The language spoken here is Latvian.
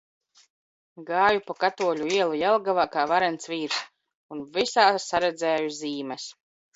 G?ju pa Kato?u ielu Jelgav? k? varens v?rs un vis? saredz?ju z?mes.